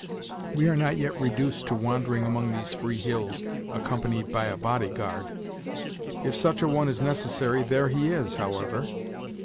We are not yet reduced to wandering among these free hills accompanied by a body guard. If such a one is necessary there he is, however.